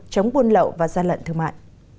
chống buôn lậu và gian lận thương mại